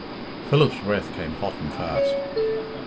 Philip's breath came hot and fast.